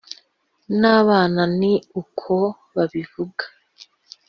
. N’abana ni uko babivuga